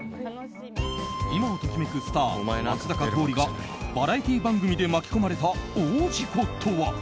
今を時めくスター松坂桃李がバラエティー番組で巻き込まれた大事故とは？